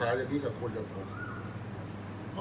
อันไหนที่มันไม่จริงแล้วอาจารย์อยากพูด